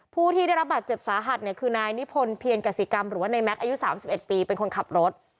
ผู้ที่ได้รับบาดเจ็บสาหัสเนี่ยคือนายนิพนธ์เพียรกสิกรรมหรือว่าในแม็กซ์อายุ๓๑ปีเป็นคนขับรถ